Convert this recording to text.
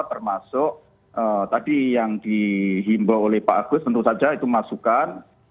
termasuk tadi yang dihimbau oleh pak agus tentu saja itu masukan